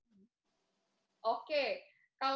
kalau dari mas yogy sendiri gimana nih